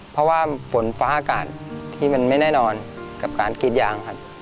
เพราะว่าฝนฟ้าอากาศที่มันไม่แน่นอนกับการกรีดยางครับ